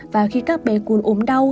và khi các bé cún ốm đau